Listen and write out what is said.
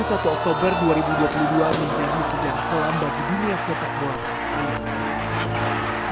satu oktober dua ribu dua puluh dua menjadi sejarah kelam bagi dunia sepak bola